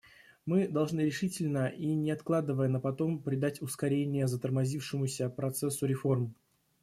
Мы должны решительно и не откладывая на потом придать ускорение затормозившемуся процессу реформ.